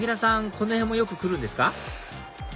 この辺もよく来るんですか？